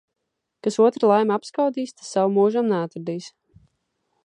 Kas otra laimi apskaudīs, tas savu mūžam neatradīs.